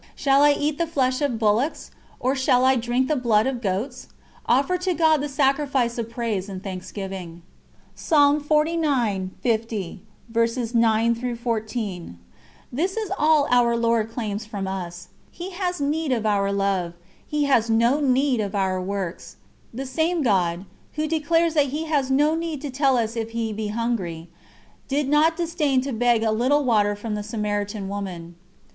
Shall I eat the flesh of bullocks, or shall I drink the blood of goats? Offer to God the sacrifice of praise and thanksgiving." This is all Our Lord claims from us. He has need of our love He has no need of our works. The same God, Who declares that He has no need to tell us if He be hungry, did not disdain to beg a little water from the Samaritan woman.